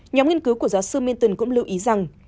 nhóm nghiên cứu của giáo sư minton cũng lưu ý rằng